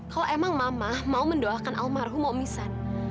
kalau emang mama mau mendoakan almarhum omisan